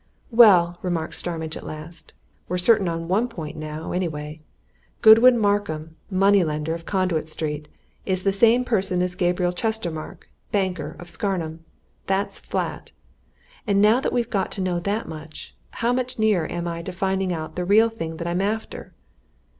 "Well," remarked Starmidge at last, "we're certain on one point now, anyway. Godwin Markham, money lender, of Conduit Street, is the same person as Gabriel Chestermarke, banker, of Scarnham. That's flat! And now that we've got to know that much, how much nearer am I to finding out the real thing that I'm after?"